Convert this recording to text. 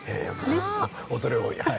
畏れ多い。